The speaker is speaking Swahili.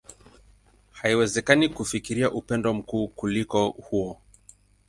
Haiwezekani kufikiria upendo mkuu kuliko huo.